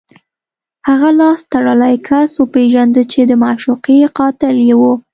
هغه لاس تړلی کس وپېژنده چې د معشوقې قاتل یې و